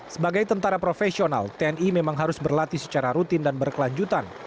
sebagai tentara profesional tni memang harus berlatih secara rutin dan berkelanjutan